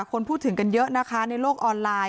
คนพูดถึงกันเยอะนะคะในโลกออนไลน์